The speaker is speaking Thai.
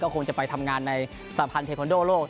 คงจะไปทำงานในสหพันธ์เทคอนโดโลก